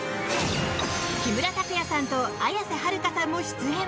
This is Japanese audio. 木村拓哉さんと綾瀬はるかさんも出演。